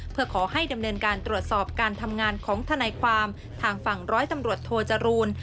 เพื่อขอให้ดำเนินการตรวจสอบการทำงานของทนายความทางฝั่งร้อยตำรวจโทจรูล